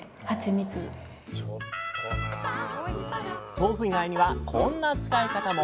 豆腐以外にはこんな使い方も。